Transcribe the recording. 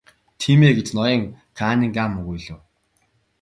Тийм ээ гэж ноён Каннингем өгүүлэв.